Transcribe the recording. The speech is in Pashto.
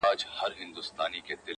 دا لومي د شیطان دي، وسوسې دي چي راځي.!